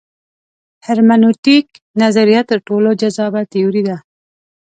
هرمنوتیک نظریه تر ټولو جذابه تیوري ده.